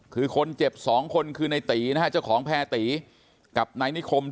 คือคนเจ็บ๒คนคือในตีนะฮะเจ้าของแพรตีกับนายนิคม